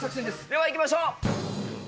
ではいきましょう。